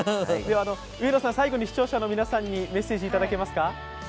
最後に視聴者の皆さんにメッセージいただけますか？